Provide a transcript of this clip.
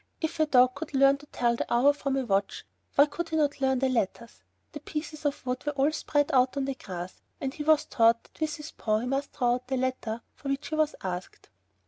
If a dog could learn to tell the hour from a watch, why could he not learn the letters? The pieces of wood were all spread out on the grass, and he was taught that with his paw he must draw out the letter for which he was asked.